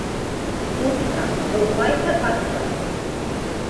Туҡта, был ҡайһы аттың...